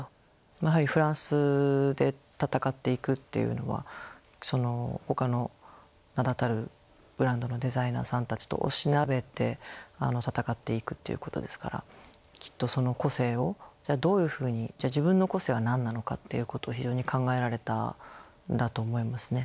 やはりフランスで闘っていくっていうのはほかの名だたるブランドのデザイナーさんたちとおしなべて闘っていくっていうことですからきっとその個性をじゃあどういうふうに自分の個性は何なのかっていうことを非常に考えられたんだと思いますね。